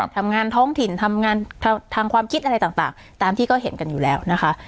ทำงานท้องถิ่นทำงานทางความคิดอะไรต่างตามที่ก็เห็นกันอยู่แล้วนะคะ